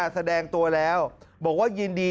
แสดงตัวแล้วบอกว่ายินดี